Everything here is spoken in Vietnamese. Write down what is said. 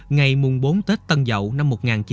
ngày bốn tết tân dậu năm một nghìn chín trăm tám mươi một